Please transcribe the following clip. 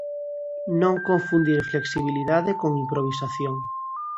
Non confundir flexibilidade con improvisación.